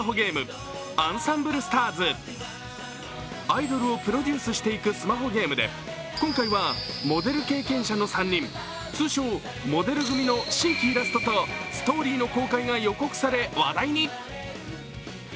アイドルをプロデュースしていくスマホゲームで、今回はモデル経験者の３人通称・モデル組の新規イラストとストーリーの公開が予告され話題に。